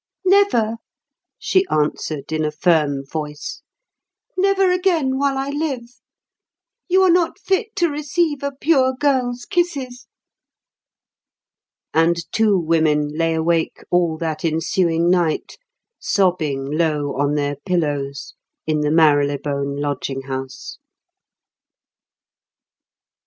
"Never!" she answered in a firm voice. "Never again while I live. You are not fit to receive a pure girl's kisses." And two women lay awake all that ensuing night sobbing low on their pillows in the Marylebone lodging house.